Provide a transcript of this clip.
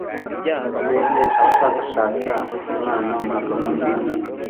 Mwebwe abashakashaka Imana murakagwira»